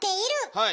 はい。